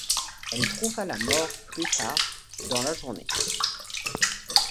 Elle trouva la mort plus tard dans la journée.